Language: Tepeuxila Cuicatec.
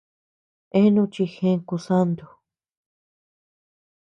Eanu chi jëe kusanto.